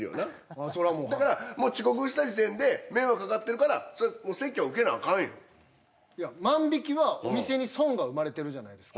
ああそれはもうはいだからもう遅刻した時点で迷惑かかってるからそれは説教受けなアカンよいや万引きはお店に損が生まれてるじゃないですか